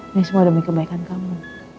ini semua demi kebaikan kamu